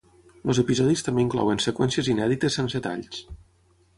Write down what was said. Els episodis també inclouen seqüències inèdites sense talls.